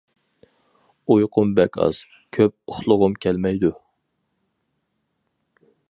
ئۇيقۇم بەك ئاز، كۆپ ئۇخلىغۇم كەلمەيدۇ.